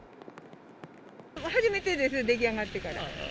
初めてです、出来上がってから。